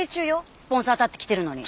スポンサーだって来てるのに。